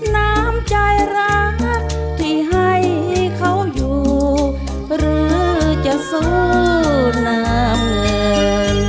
น้ำใจรักที่ให้เขาอยู่หรือจะสู้น้ำเงิน